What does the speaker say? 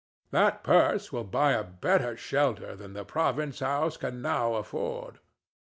That purse will buy a better shelter than the province house can now afford."